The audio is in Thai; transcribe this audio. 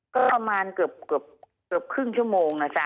ก็ประมาณเกือบครึ่งชั่วโมงนะจ๊ะ